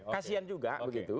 kasian juga begitu